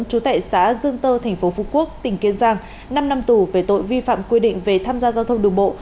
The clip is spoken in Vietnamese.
trú tại xã dương tơ tp phú quốc tỉnh kiên giang năm năm tù về tội vi phạm quy định về tham gia giao thông đường bộ